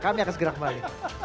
kami akan segera kembali